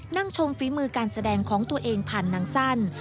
นั่งชมฝีมือการแสดงของตัวเองผ่านนางสั้น